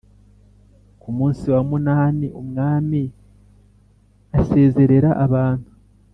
Ku munsi wa munani umwami asezerera abantu